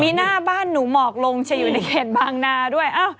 มีหน้าบ้านหนูหมอกลงจะอยู่ในเขตบางนาด้วย